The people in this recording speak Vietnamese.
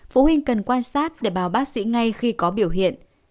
phụ huynh cần quan sát để bào bác sĩ ngay khi có biểu hiện